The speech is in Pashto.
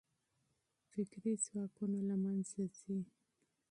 فکري ځواکونه له منځه ځي.